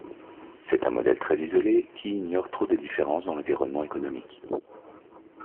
C'est un modèle très isolé qui ignore trop de différences dans l'environnement économique.